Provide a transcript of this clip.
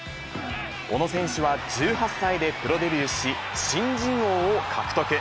小野選手は１８歳でプロデビューし、新人王を獲得。